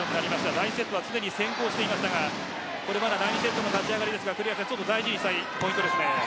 第１セットは常に先行していましたが第２セットは立ち上がりですが大事にしたいポイントですね。